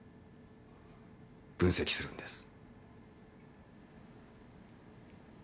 分析するんです。